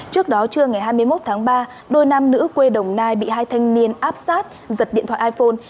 trước đó trưa ngày hai mươi một tháng ba đôi nam nữ quê đồng nai bị hai thanh niên áp sát giật điện thoại iphone